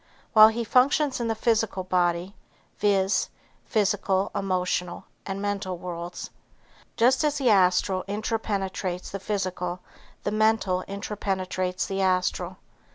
While he functions in the physical body, viz., physical, emotional and mental worlds. Just as the Astral interpenetrates the physical the mental interpenetrates the Astral.